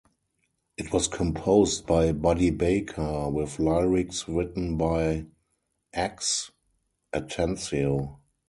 It was composed by Buddy Baker, with lyrics written by X Atencio.